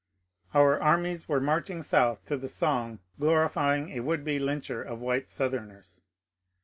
Our armies were marching South to the ^^song glorifying a would be lyncher of white Southerners.